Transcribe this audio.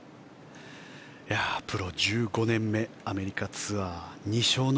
プロ１５年目アメリカツアー２勝の